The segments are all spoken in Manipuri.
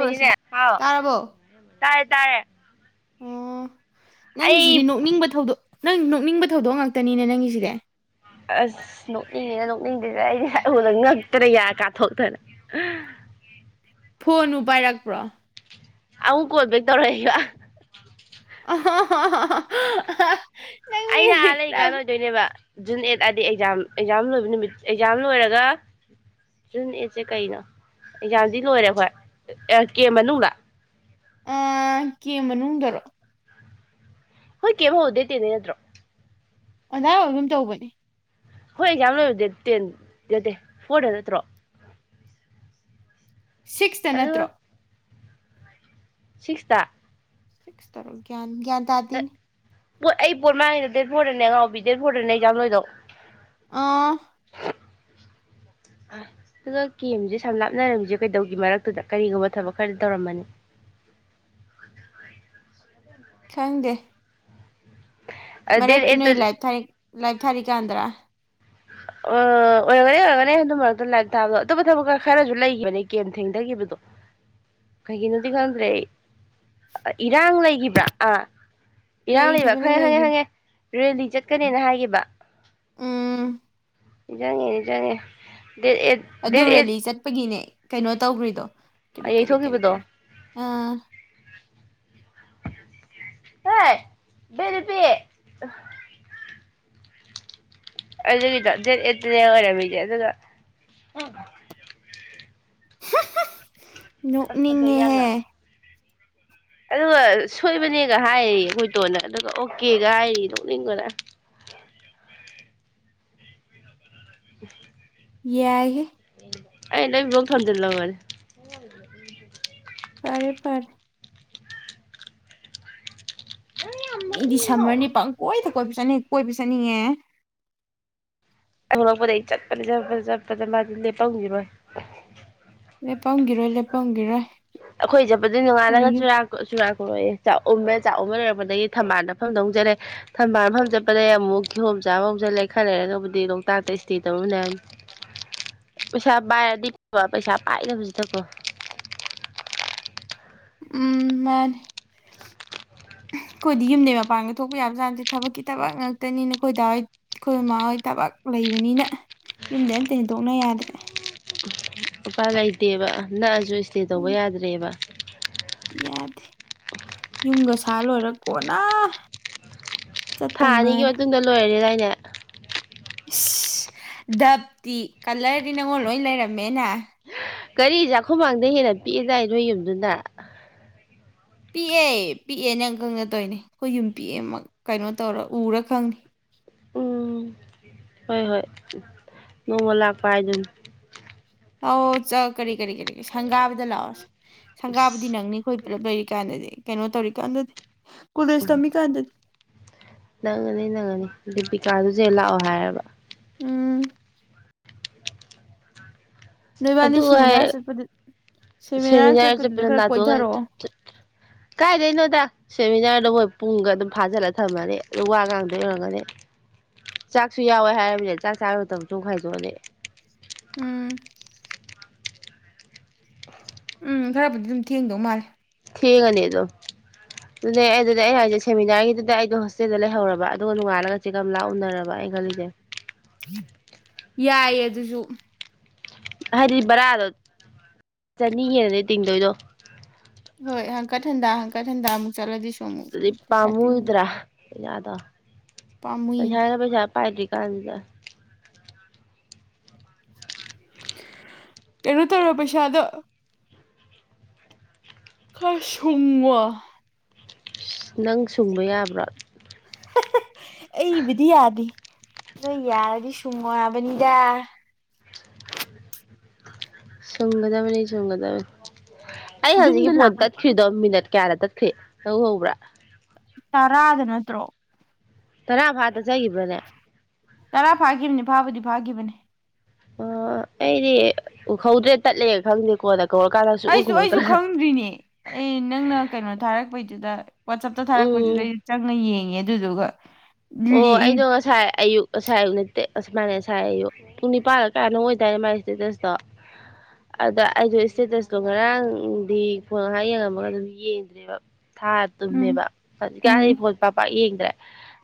ꯔꯁꯤ ꯍꯥꯎ ꯇꯥꯔꯕꯣ ꯇꯥꯔꯦ ꯇꯥꯔꯦ ꯑꯣ ꯑꯩ ꯅꯪꯒꯤꯁꯤꯗꯤ ꯅꯣꯛꯅꯤꯡꯕ ꯊꯧꯗꯣꯛ ꯅꯪ ꯅꯣꯛꯅꯤꯡꯕ ꯊꯧꯗꯣꯛ ꯉꯥꯛꯇꯅꯤꯅꯦ ꯅꯪꯒꯤꯁꯤꯗꯤ ꯑꯁ ꯅꯣꯛꯅꯤꯡꯉꯤꯅ ꯅꯣꯛꯅꯤꯡꯗꯗ ꯑꯩꯁꯗ ꯉꯛꯇꯅ ꯌꯥꯔ ꯀꯥꯊꯣꯛꯇꯅ ꯐꯣꯟꯅꯨ ꯄꯥꯏꯔꯛꯄ꯭ꯔꯣ ꯑꯃꯨꯛ ꯀꯣꯜꯕꯦꯛ ꯇꯧꯔꯛꯕ ꯑ ꯍ ꯑꯩꯅ ꯑꯥ ꯂꯩꯩ ꯀꯥꯟꯅ ꯑꯣꯏꯗꯣꯏꯅꯦꯕ ꯖꯨꯟ ꯑꯦꯠ ꯍꯥꯏꯗꯤ ꯑꯦꯛꯖꯥꯝ ꯑꯦꯛꯖꯥꯝ ꯂꯣꯏꯕ ꯅꯨꯃꯤꯠ ꯑꯦꯛꯖꯥꯝ ꯂꯣꯏꯔꯒ ꯖꯨꯟ ꯑꯦꯠꯁꯦ ꯀꯩꯅꯣ ꯑꯦꯛꯖꯥꯝꯗꯤ ꯂꯣꯏꯔꯦ ꯑꯩꯈꯣꯏ ꯀꯦ ꯃꯅꯨꯡꯗ ꯑ ꯀꯦ ꯃꯅꯨꯡꯗꯗꯔꯣ ꯍꯣꯏ ꯀꯦꯃ ꯍꯗꯦꯇꯦꯅꯦꯗ꯭ꯔꯣ ꯑꯗꯥꯥ ꯑꯗꯨꯝ ꯇꯧꯕꯅꯦ ꯍꯣꯏ ꯑꯦꯛꯖꯥꯝ ꯂꯣꯏꯔꯗꯤꯦ ꯇꯦꯟꯠꯇꯦ ꯐꯣꯔꯗ ꯅꯠꯇ꯭ꯔꯣ ꯁꯤꯛꯁꯇ ꯑꯗꯨꯒ ꯅꯠꯇ꯭ꯔꯣ ꯁꯤꯛꯁꯇ ꯁꯤꯁ ꯇꯔꯐꯒ꯭ꯌꯥꯟ ꯭ꯟ ꯇꯗꯅꯤ ꯄꯣ ꯑꯩ ꯄꯠ ꯃꯥꯡꯉꯦꯗꯣ ꯗꯦꯠ ꯐꯣꯔꯗꯅꯦ ꯑꯉꯥꯎꯕꯤ ꯗꯦꯠ ꯐꯣꯔꯗꯅꯦ ꯑꯩꯖꯥ ꯅꯣꯏꯗꯣ ꯑꯥ ꯑꯗꯨꯒ ꯀꯦꯝꯁꯦ ꯁꯝ ꯂꯥꯞꯅꯔꯝꯃꯤꯁꯦ ꯀꯩꯗꯧꯒꯤ ꯃꯔꯛꯇꯨꯗ ꯀꯔꯤꯒꯨꯝꯕ ꯊꯕꯛ ꯈꯔꯗꯤ ꯇꯧꯔꯝꯃꯅꯤ ꯈꯪꯗꯦ ꯗꯦꯠ ꯃꯔꯔꯛꯇꯅ ꯑꯩꯠꯇ ꯏꯂꯥꯏ ꯊꯔ ꯂꯥꯏꯚ ꯊꯥꯔ ꯀꯥꯟꯟꯗ꯭ꯔꯥ ꯑ ꯑꯣꯏꯔꯒꯅꯤ ꯑꯣꯏꯔꯒꯅꯤ ꯑꯗꯨ ꯃꯔꯛꯇ ꯂꯥꯏꯔꯤꯛ ꯇꯥꯕꯗꯣ ꯑꯇꯣꯞꯄ ꯊꯕꯛꯀ ꯈꯔꯁꯨ ꯂꯩꯈꯤꯕꯅꯦ ꯀꯦꯝ ꯊꯦꯡꯊꯈꯤꯕꯗꯣ ꯀꯩꯒꯤꯅꯣꯗꯤ ꯈꯪꯗ꯭ꯔꯦ ꯑꯩ ꯏꯔꯥꯡ ꯂꯩꯈꯤꯕ꯭ꯔꯥ ꯑꯥ ꯏꯔꯥꯡ ꯂꯩꯕ ꯂꯩꯈꯤꯕꯅꯤ ꯈꯪꯉꯦ ꯍꯪꯉꯦ ꯂꯩꯈꯤꯕ ꯍꯪꯉꯦ ꯔꯦꯂꯤ ꯆꯠꯀꯅꯦꯅ ꯍꯥꯏꯕ ꯎꯝ ꯌꯥꯡꯉꯦ ꯆꯪꯉꯦ ꯗꯦꯠ ꯑꯦ ꯗꯦꯠ ꯑꯗꯨ ꯑꯦꯠ ꯔꯦꯂꯤ ꯆꯠꯄꯒꯤꯅꯦ ꯀꯩꯅꯣ ꯇꯧꯈ꯭ꯔꯤꯗꯣ ꯀꯦꯔꯤ ꯀꯔꯤ ꯀꯦꯔꯤ ꯌꯩꯊꯣꯛꯈꯤꯕꯗꯣ ꯀꯔꯤ ꯑꯥ ꯇ ꯕꯔꯤ ꯄ ꯑꯗꯨꯒꯤꯗꯅ ꯑꯣꯏꯔꯕꯤꯗꯤꯦ ꯑꯗꯨꯒ ꯑꯁ ꯐꯖꯩ ꯌꯥꯝꯅ ꯅꯣꯛꯅꯤꯡꯉꯦꯍꯦ ꯑꯗꯨꯒ ꯁꯣꯏꯕꯅꯦꯒ ꯍꯥꯏꯔꯤ ꯑꯩꯈꯣꯏꯇꯣꯟꯅ ꯑꯗꯨꯒ ꯑꯣꯀꯦꯒ ꯍꯥꯏꯔꯤ ꯅꯣꯛꯅꯤꯡꯕꯅ [inaudible] ꯌꯥꯏ ꯑꯩ ꯅꯝꯗꯜ ꯋꯥꯔ ꯐꯔꯦ ꯐꯔ ꯃꯤ ꯗꯤꯁꯝꯃꯔꯅꯤ ꯄꯪ ꯀꯣꯏꯗ ꯀꯣꯏꯕ ꯆꯠꯅꯤ ꯑꯩꯣꯏ ꯄꯁꯥꯅꯤ ꯑꯦ ꯊꯣꯛꯂꯛꯄꯗ ꯑꯩ ꯆꯠꯄꯅꯦ ꯆꯠꯄ ꯆꯠꯄꯗ ꯃꯥꯗꯤ ꯂꯦꯞꯄꯪꯁꯤꯔꯣꯏ ꯂ ꯄꯪꯒꯤꯔꯣꯏ ꯂꯦꯞꯄꯪꯒꯤꯔꯣꯏ ꯑꯩꯈꯣꯏ ꯆꯠꯄꯗꯤ ꯅꯣꯡꯉꯥꯜꯂꯒ ꯆꯨꯔꯥꯛꯈꯣꯔꯣꯏꯑꯦ ꯆꯥꯛꯝꯃꯦ ꯆꯥꯛꯎꯨꯝ ꯂꯩꯔꯛꯄꯗꯒꯤ ꯊꯝꯕꯥꯜꯗꯐꯝꯗꯧꯖꯠꯂꯦ ꯊꯝꯕꯥꯜꯐꯝ ꯆꯠꯄꯗꯒꯤꯩ ꯑꯃꯨꯛ ꯀꯤꯍꯣꯝ ꯆꯥꯕ ꯍꯧꯁꯤꯜꯂꯦ ꯈꯜ ꯂꯩꯔꯦ ꯑꯗꯨꯕꯨꯗꯤ ꯂꯣꯛꯇꯥꯛꯇ ꯏꯁꯇꯦ ꯇꯧꯔꯟꯅ ꯄꯩꯁꯥ ꯄꯥꯏꯔꯗꯤꯕ ꯄꯩꯁꯥ ꯄꯥꯏꯗꯕꯁꯤꯗꯀꯣ ꯎ ꯃꯥꯅꯦ ꯑꯩꯈꯣꯏꯗꯤ ꯌꯨꯝꯗꯩ ꯃꯄꯥꯟꯗ ꯊꯣꯛꯄ ꯌꯥꯕ ꯆꯥꯟꯗꯦ ꯊꯕꯛꯀꯤ ꯊꯕꯛ ꯉꯥꯛꯇꯅꯤꯅ ꯑꯩꯈꯣꯏꯗꯥ ꯍꯏ ꯑꯩꯈꯣꯏ ꯃꯃꯥ ꯍꯣꯏ ꯊꯕꯛ ꯂꯩꯕꯅꯤꯅ ꯌꯨꯝꯗꯩ ꯑꯝꯇ ꯍꯦꯟꯗꯣꯛꯅ ꯌꯥꯗ꯭ꯔꯦ ꯅꯨꯄꯥ ꯂꯩꯇꯦꯕ ꯅꯛꯑꯁꯨ ꯁ꯭ꯇꯦ ꯇꯧꯕ ꯎꯝ ꯌꯥꯗ꯭ꯔꯦꯕ ꯊ ꯌꯥꯗꯦ ꯌꯨꯝꯒ ꯁꯥ ꯂꯣꯏꯔꯀꯣꯅ ꯊꯥꯅꯤꯒꯤ ꯃꯇꯨꯡꯗ ꯂꯣꯏꯔꯦ ꯂ ꯉ ꯏꯁ ꯗꯞꯇꯤ ꯀꯂꯔꯗꯤ ꯅꯪꯉꯣꯟ ꯂꯣꯏ ꯂꯩꯔꯝꯃꯦꯅꯦ ꯒꯥꯔꯤ ꯆꯥꯛꯈꯃꯥꯡꯗ ꯍꯦꯟꯅ ꯄꯤꯛꯑꯦꯗꯥꯏ ꯅꯣꯏ ꯌꯨꯝꯗꯨꯅ ꯄꯤꯛꯑꯦ ꯄꯤꯛꯑꯦꯅꯦ ꯑꯪꯀꯪ ꯅꯠꯇꯣꯏꯅꯦ ꯑꯩꯈꯣꯏ ꯌꯨꯝ ꯄꯤꯛꯑꯦ ꯑꯃ ꯀꯩꯅꯣ ꯇꯧꯔ ꯎꯔ ꯈꯪꯅꯤ ꯎꯝ ꯍꯣꯏ ꯍꯣꯏ ꯅꯣꯡꯃ ꯂꯥꯛꯄ ꯍꯥꯏꯗꯨꯅ ꯑ ꯆ ꯀꯔꯤ ꯀꯔꯤ ꯀꯔꯤ ꯍꯪꯒꯥꯕꯤꯗ ꯂꯥꯛꯑꯣꯁꯤ ꯁꯪꯒꯥꯕꯨꯗꯤ ꯑꯁ ꯅꯪꯅꯤꯈꯣꯏ ꯄꯨꯂꯞ ꯂꯩꯔꯤ ꯀꯥꯟꯗꯗꯤ ꯀꯩꯅꯣ ꯇꯧꯔꯤꯀꯥꯟꯗꯗꯤ ꯀꯨꯂꯦꯁ ꯇꯃꯤ ꯀꯥꯟꯗꯗꯤ ꯅꯪꯉꯅꯤ ꯅꯪꯉꯅꯤ ꯗꯤꯄꯤꯀꯥꯗꯨꯁꯦ ꯂꯥꯛꯑꯣ ꯍꯥꯏꯔꯕ ꯎꯝ ꯅꯣꯏꯕꯥꯅꯤ ꯑꯗꯨ ꯁꯦꯃꯤꯅꯥꯔ ꯍꯥꯏ ꯆꯠꯄꯗ ꯁꯦꯃꯤꯅꯥꯔ ꯆꯠꯄꯗꯨꯗ ꯆꯠꯄꯗ ꯈꯔ ꯅꯥꯇꯣꯟꯒ ꯀꯣꯏꯊꯔꯛꯑꯣ ꯆꯞ ꯆꯞ ꯀꯥꯏꯗꯩꯅꯣꯗ ꯁꯦꯃꯤꯅꯥꯔꯗ ꯃꯣꯏ ꯄꯨꯡꯒ ꯑꯗꯨꯝ ꯐꯥꯖꯤꯜꯂ ꯊꯝꯃꯅꯤ ꯑ ꯋꯥ ꯉꯥꯡꯗꯣꯏ ꯌꯔꯝꯒꯅꯤ ꯆꯥꯛꯁꯨ ꯌꯥꯎꯋꯦ ꯍꯥꯏꯃꯤꯅꯦ ꯆꯥꯛ ꯆꯥꯕꯨ ꯃꯇꯝꯁꯨꯣꯡ ꯈꯥꯏꯗꯣꯛꯑꯅꯤ ꯎꯝ ꯎꯝ ꯈꯔꯕꯨꯗꯤ ꯑꯗꯨꯝ ꯊꯦꯡꯗꯧ ꯃꯥꯜꯂꯦ ꯊꯦꯡꯉꯅꯤ ꯑꯗꯣ ꯑꯗꯨꯅꯦ ꯑꯗꯨꯗꯤ ꯑꯩ ꯍꯥꯏꯁꯦ ꯁꯦꯃꯤꯅꯥꯔꯒꯤꯗꯨꯗ ꯑꯩꯗꯣ ꯍꯣꯁꯇꯦꯜꯗ ꯂꯩꯍꯧꯔꯕ ꯑꯗꯨꯒ ꯅꯣꯡꯉꯥꯂꯒ ꯆꯦꯛꯀꯝ ꯂꯥꯛ ꯎꯅꯔꯕ ꯑꯩ ꯈꯜꯂꯤꯁꯦ ꯌꯥꯏ ꯑꯗꯨ ꯑꯗꯨꯁꯨ ꯍꯥꯏꯗꯤ ꯕꯔꯥꯗꯣ ꯆꯅꯤ ꯍꯅꯅꯦ ꯇꯤꯡꯗꯣꯏꯗꯣ ꯍꯣꯏ ꯍꯥꯡꯀꯠ ꯍꯟꯗ ꯍꯥꯡꯀꯠ ꯍꯟꯗ ꯑꯃꯨꯛ ꯆꯠꯂꯗꯤ ꯁ ꯑꯗꯨꯗꯤ ꯄꯥꯝꯃꯨꯗ꯭ꯔꯥꯩ ꯌꯥꯥꯗ ꯄꯥꯝꯃꯨꯏ ꯄꯩꯁꯥ ꯍꯥꯏꯅ ꯄꯩꯁꯥ ꯄꯥꯏꯗ꯭ꯔꯤ ꯀꯥꯥꯟꯗ ꯀꯩꯅꯣ ꯇꯧꯔꯣ ꯄꯩꯁꯥꯗꯣ ꯈꯥꯁꯃ ꯅꯪ ꯁꯪꯕ ꯑꯕꯔꯠ ꯑꯩꯕꯗꯤ ꯌꯥꯗ ꯅ ꯌꯥꯔꯗꯤ ꯁꯨꯡꯃꯣꯏꯕꯅꯤꯗ ꯁꯒꯗꯥꯕꯅꯤ ꯁꯒꯗꯥꯕꯅꯤ ꯑꯩ ꯑꯁ ꯍꯧꯖꯤꯛꯀꯤ ꯌꯨꯝꯗ ꯐꯣꯟ ꯂꯥꯛꯄꯅꯦ ꯄꯨꯡ ꯇꯠꯈ꯭ꯔꯤꯗꯣ ꯃꯤꯅꯠ ꯀꯌꯥꯅ ꯊꯦ ꯍ ꯍꯧꯕ꯭ꯔꯥ ꯇꯔꯥꯗ ꯅꯠꯇ꯭ꯔꯣ ꯇꯔꯥ ꯐꯥꯗ ꯆꯥꯏꯈꯤꯕ꯭ꯔꯅꯦ ꯇꯔꯥ ꯐꯥꯈꯤꯕꯅꯤ ꯐꯥꯕꯗꯤ ꯐꯥꯈꯤꯕꯅꯤ ꯑꯣ ꯑꯩꯗꯤ ꯎꯍꯧꯗ꯭ꯔꯦ ꯇꯠꯂꯦ ꯈꯪꯗꯦꯀꯣ ꯑꯩꯁꯨ ꯑꯩꯁꯨ ꯈꯪꯗ꯭ꯔꯤꯅꯦ ꯑꯦ ꯅꯪꯅ ꯀꯩꯅꯣ ꯊꯥꯔꯛꯄꯩ ꯑꯗꯨꯗ ꯋꯥꯆꯞꯇ ꯎꯝ ꯊꯥꯔꯛꯄꯗꯨꯗꯩ ꯆꯪꯅ ꯌꯦꯡꯉꯦ ꯖꯒ ꯑꯣ ꯑꯩꯗꯣ ꯉꯁꯥꯏ ꯑꯌꯨꯛ ꯑꯁꯥꯏ ꯑꯌꯨꯛ ꯅꯠꯇꯦ ꯑꯁꯨꯃꯥꯏꯅ ꯑꯁꯥꯏ ꯑꯌꯨ ꯄꯨꯡ ꯅꯤꯄꯥꯜꯒ ꯀꯌꯥꯅꯪ ꯑꯣꯏꯇꯥꯔꯦ ꯃꯥꯥꯏ ꯏꯁꯇꯦꯇꯁꯇꯣ ꯑꯗ ꯑꯩꯗꯣ ꯏꯁꯇꯦꯇꯁꯇꯣ ꯉꯔꯥꯡꯗꯤ ꯐꯣꯟ ꯉꯥꯏꯍꯥꯛ ꯌꯦꯡꯉꯝꯃꯒ ꯑꯗꯨꯝ ꯌꯦꯡꯗ꯭ꯔꯦꯕ ꯊꯥꯔ ꯎꯝ ꯇꯨꯝꯃꯦꯕ ꯍꯧꯖꯤꯛꯀ ꯎꯝ ꯑꯩ ꯐꯣꯜ ꯄꯄꯥꯛ ꯌꯦꯡꯗ꯭ꯔꯦ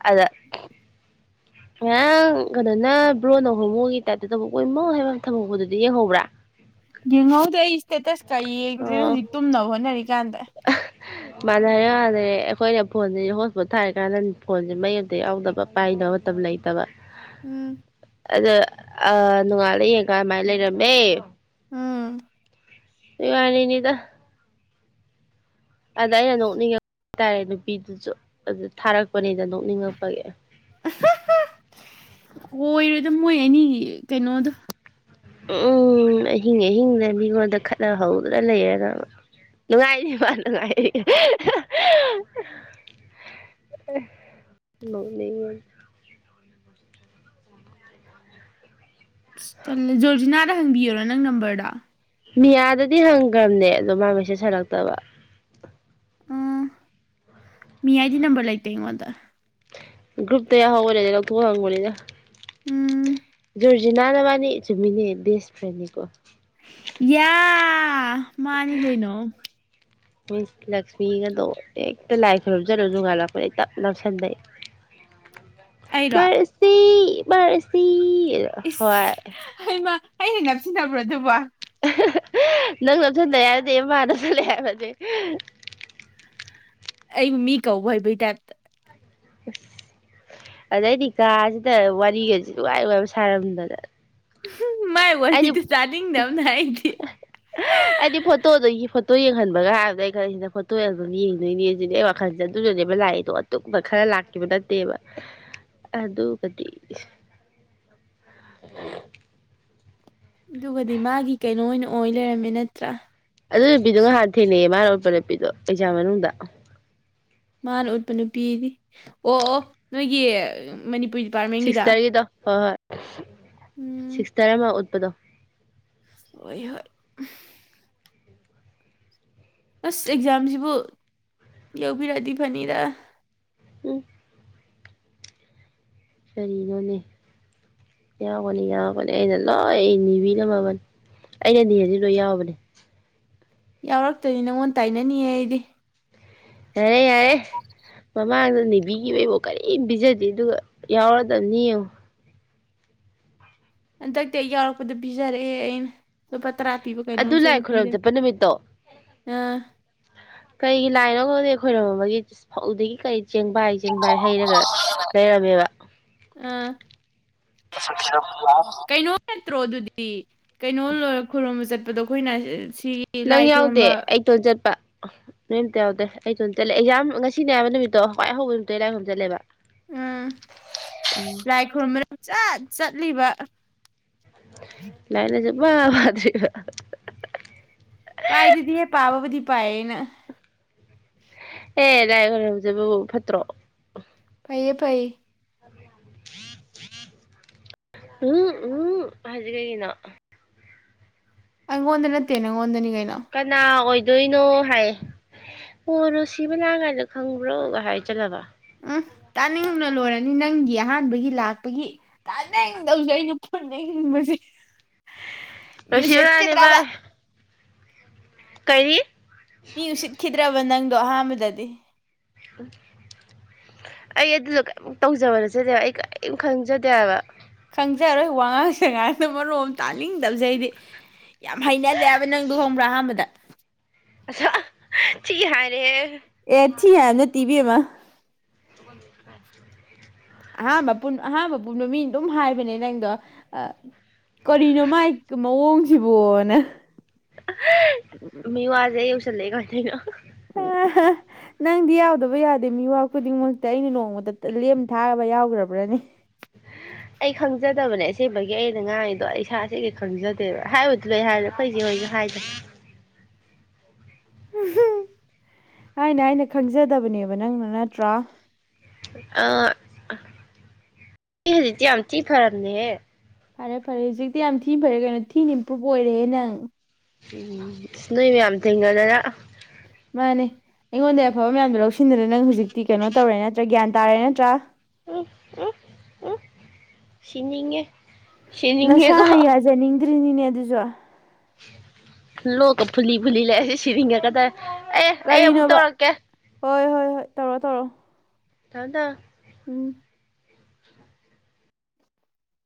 ꯑꯗ ꯉꯥꯡ ꯀꯩꯅꯣꯅ ꯕ꯭ꯔꯣꯟꯅ ꯍꯣꯡꯃꯣꯒꯤ ꯇꯥꯏꯞꯇ ꯊꯕꯛ ꯀꯃꯣ ꯍꯥꯏꯕ ꯊꯕꯛꯄꯗꯨꯗꯤ ꯌꯦꯡꯍꯧꯕ꯭ꯔꯥ ꯀꯩ ꯌꯦꯡꯗꯦ ꯍꯧꯖꯤꯛ ꯇꯨꯝꯅꯕ ꯍꯣꯅꯦ ꯀꯗ ꯃꯥꯥꯟꯅ ꯍꯥꯏ ꯌꯥꯥꯟꯗꯦ ꯑꯩꯈꯣꯏꯅ ꯐꯣꯟꯁꯦ ꯍꯣꯁꯄꯣꯠ ꯊꯥꯔ ꯀꯥꯟꯗ ꯐꯣꯟꯁꯦ ꯃꯩ ꯑꯃꯇ ꯌꯥꯎꯗꯕ ꯄꯥꯏꯗꯅꯕ ꯃꯇꯝ ꯂꯩꯇꯕ ꯎꯝ ꯑꯗ ꯑ ꯅꯣꯡꯉꯥꯜꯂ ꯌꯦꯡ ꯀꯥꯏꯃꯥꯏꯅ ꯂꯩꯔꯝꯃꯦ ꯎꯝ ꯏ ꯋꯥꯅꯤꯗ ꯑꯗ ꯑꯩꯅ ꯅꯣꯛꯅꯤꯡꯉꯛꯄ ꯍꯥꯏꯇꯥꯔꯦ ꯅꯨꯄꯤꯗꯨꯁꯨ ꯑꯗꯨ ꯊꯥꯔꯛꯄꯅꯤꯗ ꯅꯣꯛꯅꯤꯡꯉꯛꯄꯒꯤ ꯑꯣꯏꯣꯏꯔꯣꯏꯗ ꯃꯣꯏ ꯑꯅꯤ ꯀꯩꯅꯣꯗꯣ ꯎꯝ ꯑꯍꯤꯡ ꯑꯍꯤꯡꯅ ꯃꯤꯉꯣꯟꯗ ꯈꯠꯂꯍꯧꯗꯅ ꯂꯩꯔꯔꯕ ꯅꯨꯡꯉꯥꯏꯅꯤꯕ ꯅꯨꯡꯉꯥꯏꯔꯤ ꯆꯂ ꯖꯣꯔꯖꯤꯅꯥꯗ ꯍꯪꯕꯤꯌꯔ ꯅꯪ ꯅꯝꯕꯔꯗ ꯃꯤꯌꯥꯗꯗꯤ ꯍꯪꯈ꯭ꯔꯕꯅꯦ ꯑꯗꯣ ꯃꯥ ꯃ ꯆꯦꯠ ꯁꯥꯜꯂꯛꯇꯕ ꯎꯝ ꯃꯤ ꯑꯩꯏꯗꯤ ꯅꯝꯕꯔ ꯂꯩꯇꯦ ꯑꯩꯉꯣꯟꯗ ꯭ꯔꯨꯨꯞ ꯇꯌꯥ ꯍꯒ ꯂꯩ ꯂ ꯊ ꯍꯪꯒꯣ ꯂꯩꯗ ꯎꯝ ꯨꯔꯖꯤ ꯅꯥꯕꯥꯅꯤ ꯆꯨꯃꯤꯅꯤ ꯗꯦꯁ ꯐ꯭ꯔꯦꯅꯤ ꯀꯧꯕ ꯌꯥ ꯃꯥꯅꯤ ꯀꯩꯩꯅꯣ ꯃꯤꯁ ꯂꯛꯁꯃꯤꯒꯗꯣ ꯍꯦꯛꯇ ꯂꯥꯏ ꯈꯣꯏꯔꯝꯖꯔꯨ ꯅꯣꯡꯉꯥꯟꯜꯂꯛꯄꯗꯩ ꯇꯞ ꯅꯞꯁꯤꯟꯗꯩ ꯑꯩꯔꯣ ꯃꯔ ꯁꯤ ꯃꯔꯔꯁꯤ ꯍꯣꯏ ꯑꯩꯩꯅ ꯅꯞꯁꯤꯟꯅꯕ꯭ꯔꯣ ꯑꯗꯨꯕ ꯅꯪ ꯂꯧꯣꯞꯁꯤꯟꯗꯦ ꯍꯥꯏꯔꯗꯤꯦ ꯏꯃꯥꯅꯁꯤꯜꯂꯦ ꯍꯥꯏꯕꯁꯦ ꯑꯩꯕꯨ ꯃꯤ ꯀꯧ ꯍꯥꯏꯕꯩ ꯇꯥꯏꯞꯇ ꯑ ꯑꯗꯩꯗꯤ ꯀꯥꯁꯤꯗ ꯋꯥꯔꯤꯒꯁꯤ ꯅꯨꯡ ꯋꯥꯥꯏ ꯋꯥꯥꯏꯕ ꯁꯥꯔꯝꯗꯗꯅ ꯃꯥꯏ ꯑꯩꯗꯤ ꯋꯥꯔꯤꯗꯨ ꯇꯥꯅꯤꯡꯗꯕꯅ ꯑꯩꯗꯤ ꯑꯩꯗꯤ ꯐꯣꯇꯣꯗ ꯐꯣꯇꯣ ꯐꯣꯇꯣ ꯌꯦꯡꯍꯟꯕꯒ ꯍꯥꯏꯕꯗ ꯑꯩ ꯈꯔꯁꯤꯅ ꯐꯣꯇꯣ ꯑꯗꯨꯝ ꯌꯦꯡꯗꯣꯏꯅꯦ ꯁꯤꯅꯦ ꯑꯩ ꯋꯥꯈꯜꯁꯦ ꯑꯗꯨꯁꯨꯅꯦꯕ ꯂꯥꯛꯏꯗꯣ ꯑꯗꯨꯇꯛꯄ ꯈꯔ ꯂꯥꯛꯈꯤꯕ ꯅꯠꯇꯦꯕ ꯑꯗꯨꯒꯗꯤ ꯑꯗꯨꯒꯗꯤ ꯃꯥꯒꯤ ꯀꯩꯅꯣ ꯑꯣꯏꯅ ꯑꯣꯏ ꯂꯩꯔꯝꯃꯦ ꯅꯠꯇ꯭ꯔꯥ ꯑꯗꯨ ꯅꯨꯄꯤꯗꯣ ꯉꯍꯥꯟ ꯊꯦꯡꯅꯩꯑꯌꯦ ꯃꯥꯅꯄ ꯅꯨꯄꯤꯗꯣ ꯑꯦꯛꯖꯥꯝ ꯃꯅꯨꯡꯗ ꯃꯥꯅ ꯎꯠꯄ ꯅꯨꯄꯤꯗꯤ ꯑꯣ ꯑꯣ ꯅꯣꯏꯒꯤ ꯃꯅꯤꯄꯨ ꯁꯤꯛꯁ ꯇꯔꯈꯦꯗꯣ ꯍꯣꯏ ꯍꯣꯏ ꯑ ꯎꯝ ꯁꯤꯁ ꯇꯔ ꯑꯗꯣ ꯑꯣꯏꯣꯏ ꯍꯣꯏ ꯑꯁ ꯑꯦꯛꯖꯥꯝꯁꯤꯕꯨ ꯌꯥꯧꯕꯕꯤꯔꯛꯑꯗꯤ ꯐꯅꯤꯔ ꯎꯝ ꯀꯔꯤꯅꯣꯅꯦ ꯌꯥꯎꯒꯅꯤ ꯌꯥꯎꯒꯅꯤ ꯑꯩꯅ ꯂꯣꯏ ꯅꯤꯕꯤꯔꯝꯃꯕꯅꯤ ꯑꯩꯅꯗꯤ ꯍꯧꯖꯤ ꯂꯣꯏ ꯌꯥꯎꯕꯅꯦ ꯌꯥꯎꯔꯛꯇꯅꯤ ꯅꯪꯉꯣꯟ ꯇꯥꯏꯅꯅꯤꯡꯌꯦ ꯑꯩꯗꯤ ꯌꯥꯔꯦ ꯌꯥꯔꯦ ꯃꯃꯥꯡꯗ ꯅꯅꯤꯕꯤꯒꯤꯩꯕꯨꯣ ꯀꯔꯤꯝ ꯄꯤꯖꯗꯦ ꯑꯗꯨꯒ ꯌꯥꯎꯔꯗꯕꯅꯤ ꯌꯦꯡꯉ ꯍꯟꯗꯛꯇꯤ ꯑꯩ ꯌꯥꯎꯔꯛꯄꯗ ꯄꯤꯖꯔꯛꯑꯦ ꯑꯩꯅ ꯇꯔꯥ ꯄꯤꯕ ꯀꯩꯅꯣꯝ ꯑꯗꯨ ꯁ ꯂꯥꯏ ꯑ ꯈꯨꯔꯨꯝ ꯄꯤꯔꯦ ꯆꯠꯄ ꯅꯨꯃꯤꯠꯇꯣ ꯑꯥ ꯂꯥꯏꯔꯒꯗꯤ ꯑꯩꯈꯣꯏꯔꯣ ꯑꯃꯒꯤ ꯐꯧꯗꯒꯤ ꯀꯔꯤ ꯆꯦꯡꯚꯥꯏ ꯆꯦꯡꯚꯥꯏ ꯍꯩꯔꯒ ꯂꯩꯔꯝꯃꯦꯕ ꯑ ꯀꯩꯅꯣ ꯅꯠꯇ꯭ꯔꯣ ꯑꯗꯨꯗꯤ ꯀꯩꯅꯣ ꯂꯣꯏꯔ ꯈꯨꯔꯨꯝꯕ ꯆꯠꯄ ꯗꯣ ꯑꯩꯈꯣꯏꯅ ꯁꯤꯒꯤ ꯅꯪ ꯂꯥꯏ ꯌꯥꯎꯗꯦ ꯈꯨꯔꯨꯝꯕ ꯑꯩꯇꯣꯟ ꯆꯠꯄ ꯅꯣꯏ ꯑꯝꯇ ꯌꯥꯎꯗꯦ ꯑꯩꯁꯨ ꯑꯗꯨꯝ ꯆꯠꯂꯦ ꯑꯦꯛꯖꯥꯝ ꯉꯁꯤꯅꯦ ꯑꯕ ꯅꯨꯃꯤꯠꯇꯣ ꯍꯋꯥꯏ ꯍꯧꯕ ꯅꯨꯃꯤꯠꯇ ꯑꯩ ꯏ ꯂꯥꯏꯣꯝ ꯆꯠꯂꯦꯕ ꯎꯝ ꯎꯝ ꯂꯥꯏꯛ ꯍꯃ ꯆꯠ ꯆꯠꯂꯤꯕ ꯂꯥꯏ ꯂꯖ ꯋꯥ ꯃꯥꯗꯔꯤ ꯄꯑꯅ ꯑꯦ ꯂꯥꯏ ꯈ ꯍꯧꯖꯕꯕꯨ ꯐꯠꯇ꯭ꯔꯣ ꯄꯩꯌꯦ ꯄꯩ ꯎꯝ ꯎꯝ ꯍꯥꯏꯖꯤꯒꯒꯤꯅ ꯑꯪꯣꯟꯗ ꯅꯠꯇꯦꯅꯪꯣꯟꯗꯅꯤ ꯀ ꯀꯅꯥ ꯑꯣꯏ ꯑꯗꯨꯣꯏꯅꯣ ꯍꯥꯏ ꯑꯣꯔꯣ ꯁꯤꯕ ꯂꯥꯡ ꯀꯥꯏꯗ ꯈꯪꯕ꯭ꯔꯣ ꯍꯥꯏ ꯆꯠꯂꯕ ꯎꯝ ꯇꯥꯅꯤꯡꯅ ꯂꯣꯏꯔꯅꯤ ꯅꯪ ꯑꯍꯥꯟꯕꯒꯤ ꯂꯥꯛꯄꯒꯤ ꯇ ꯅ ꯅꯧ ꯐꯦꯛꯤꯡꯕꯕꯁꯤ ꯔꯁꯤꯕ ꯔꯅꯦ ꯚꯥꯏ ꯀꯔꯤ ꯃꯤ ꯎꯁꯤꯠꯈꯤꯗ꯭ꯔꯕ ꯅꯪ ꯑꯥꯟꯕꯗꯗꯤ ꯑꯩ ꯑꯗꯨꯗ ꯀꯔꯤꯝ ꯇꯧꯖꯕ ꯅꯠꯆꯗꯦꯕ ꯑꯩ ꯀꯔꯤꯝ ꯈꯪꯖꯗꯦꯕ ꯆꯪꯖꯔꯣꯏ ꯋꯥꯉꯥꯡ ꯁꯦꯉꯅ ꯃꯔꯣꯝ ꯇꯥ ꯅꯤꯡꯗꯧꯁꯦ ꯑꯩꯗꯤ ꯌꯥꯝ ꯍꯩꯅꯖꯦ ꯍꯥꯏꯕ ꯅꯪꯗ ꯍꯣꯡꯕ꯭ꯔꯥ ꯑꯍꯥꯟꯕꯗ ꯑ ꯆꯤ ꯍꯥꯏꯔꯦ ꯑꯦ ꯊꯤ ꯍꯥꯏ ꯅ ꯇꯤꯕꯤꯃ [unintelligible] ꯑꯍꯥꯥꯟꯕ ꯑꯍꯥꯥꯟꯕ ꯄꯨꯟꯕ ꯃꯤ ꯑꯗꯨꯝ ꯍꯥꯏꯕꯅꯦ ꯅꯪꯗꯣ ꯑ ꯀꯔꯤꯅꯣꯃꯥꯏ ꯃꯑꯣꯡ ꯕꯣꯅ ꯃꯤꯨ ꯑꯖꯩ ꯎꯆ ꯆꯂꯦꯒ ꯊꯅ ꯅꯪꯗꯤ ꯌꯥꯎꯗꯕ ꯌꯥꯗꯦ ꯃꯤꯋꯥ ꯈꯨꯗꯤꯡꯃꯛꯇꯤ ꯑꯩꯅ ꯅꯣꯡꯃꯗ ꯂꯦꯝ ꯊꯥꯕ ꯌꯥꯎꯈ꯭ꯔꯕ꯭ꯔꯅꯤ ꯑꯩ ꯈꯪꯖꯗꯕꯅꯦ ꯑꯁꯦꯡꯕꯒꯤ ꯑꯩꯅ ꯉꯥꯡꯉꯤꯗꯣ ꯑꯩ ꯏꯁꯥꯁꯦ ꯀꯩ ꯈꯪꯖꯗꯦꯕ ꯍꯥꯏꯕꯗꯨꯗ ꯑꯩ ꯍꯥꯏ ꯐꯩꯁꯦ ꯍꯣꯏꯁꯨ ꯍꯥꯏꯗ꯭ꯔꯦ ꯍꯥꯏꯅ ꯑꯩꯅ ꯈꯪꯖꯗꯕꯅꯦꯕ ꯅꯪꯅ ꯅꯠꯇ꯭ꯔꯥ ꯑ ꯍꯧꯖꯤꯗꯤ ꯌꯥꯝ ꯊꯤ ꯐꯔꯝꯅꯦ ꯍꯦ ꯐꯔꯦ ꯐꯔꯦ ꯍꯧꯖꯤꯛꯇꯤ ꯌꯥꯝ ꯊꯤꯅ ꯐꯔꯦ ꯀꯩꯅꯣ ꯊꯤꯅ ꯏꯝꯄ꯭ꯔꯨꯨꯞ ꯑꯣꯏꯔꯦꯍꯦ ꯅꯪ ꯎ ꯁꯅꯣꯏꯕ ꯌꯥꯝꯝ ꯊꯦꯡꯉꯗꯔ ꯃꯥꯅꯦ ꯑꯩꯉꯣꯟꯗ ꯑꯐꯕ ꯃꯌꯥꯝꯗꯣ ꯂꯧꯁꯤꯟꯅꯗꯔꯦ ꯅꯪ ꯍꯧꯖꯤꯛꯇ ꯀꯤꯩꯅꯣ ꯇꯧꯔꯦ ꯅꯠꯇ꯭ꯔ ꯒ꯭ꯌꯥꯟ ꯇꯥꯔꯦ ꯅꯠꯇ꯭ꯔꯥ ꯎ ꯎ ꯎ ꯁꯤꯅꯤꯉꯦ ꯅꯁꯥꯅ ꯌꯥꯖꯅꯤꯡ ꯀꯗꯔꯤꯅꯤꯅꯦ ꯑꯗꯨꯖ ꯂ ꯐꯨꯂꯤ ꯐꯨꯂꯤ ꯂꯦ ꯁꯤꯔꯤꯒ ꯀꯗ ꯑꯦ ꯑꯩ ꯑꯃꯨꯛ ꯀꯔꯤꯅꯣꯕ ꯇꯧꯔꯛꯀꯦ ꯍꯣꯏ ꯍꯣꯏ ꯍꯣꯏ ꯇꯧꯔꯣ ꯇꯧꯔꯣ ꯊꯗ ꯎꯝ